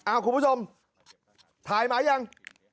คุณผู้ชมถ่ายมายัง